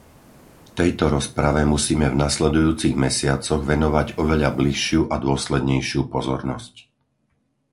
Tejto rozprave musíme v nasledujúcich mesiacoch venovať oveľa bližšiu a dôslednejšiu pozornosť.